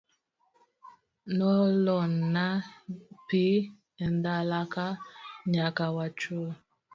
Nolorna pi edalaka nyaka wachul.